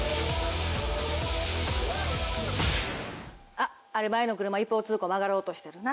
あっ前の車一方通行曲がろうとしてるな。